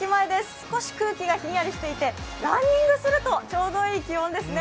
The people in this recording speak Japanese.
少し空気がひんやりしていて、ランニングするとちょうどいい気温ですね。